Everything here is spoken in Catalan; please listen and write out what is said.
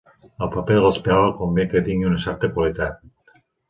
El paper de l'espiral convé que tingui una certa qualitat.